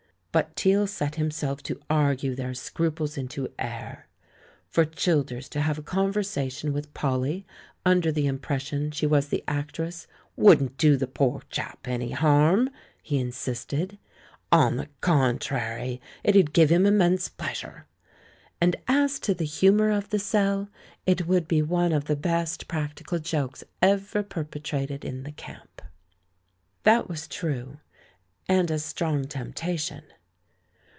But Teale set himself to argue their scruples into air. For Childers to have a conversation with Polly under the impression she was the actress "wouldn't do the poor chap any harm," he in sisted — "on the contrary, it'd give him immense pleasure." And as to the humour of the sell, it would be one of the best practical jokes ever per petrated in the camp. That was true, and a strong temptation.